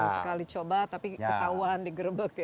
sekali coba tapi ketahuan digerebek ya